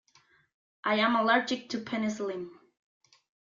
I am allergic to penicillin.